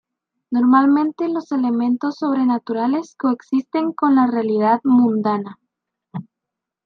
Normalmente los elementos sobrenaturales co-existen con la realidad mundana.